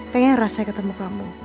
pengen rasanya ketemu kamu